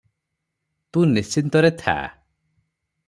ତୁ ନିଶ୍ଚିନ୍ତରେ ଥା ।"